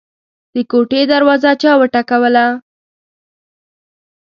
د کوټې دروازه چا وټکوله.